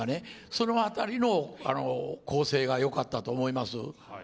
その辺りの構成がよかったと思います。